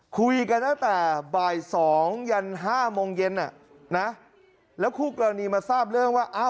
คุยกันตั้งแต่บ่าย๒ยันห้าโมงเย็นแล้วคู่กรณีมาทราบเรื่องว่าอ้าว